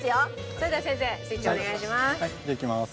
それでは先生スイッチお願いします。